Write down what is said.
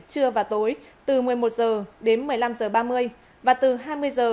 trưa và tối từ một mươi một h đến một mươi năm h ba mươi và từ hai mươi h